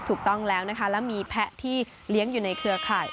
ถูกต้องแล้วนะคะแล้วมีแพะที่เลี้ยงอยู่ในเครือข่าย